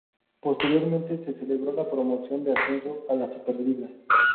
Posteriormente se celebró la promoción de ascenso a la Superliga.